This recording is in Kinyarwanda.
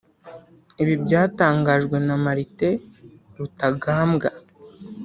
Ibi byatangajwe na Martin Rutagambwa